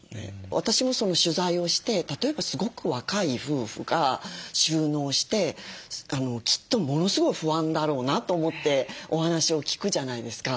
私も取材をして例えばすごく若い夫婦が就農してきっとものすごい不安だろうなと思ってお話を聞くじゃないですか。